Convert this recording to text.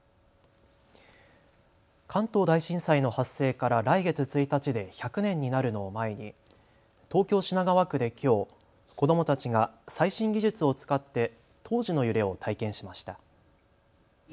関東大震災の発生から来月１日で１００年になるのを前に東京品川区できょう子どもたちが最新技術を使って当時の揺れを体験しました。